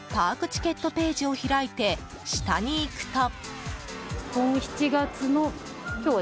チケットページを開いて下にいくと。